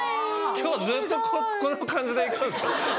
今日ずっとこの感じでいくんですか？